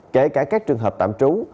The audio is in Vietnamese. kể cả các trường hợp tạm trú